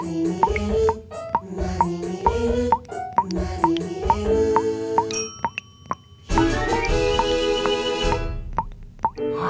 「なにみえるなにみえる」「ひらめき」はい！